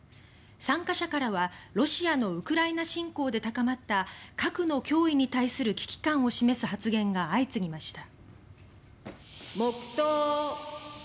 参加者からはロシアのウクライナ侵攻で高まった核の脅威に対する危機感を示す発言が相次ぎました。